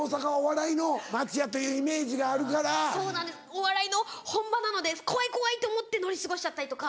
お笑いの本場なので怖い怖いと思って乗り過ごしちゃったりとか。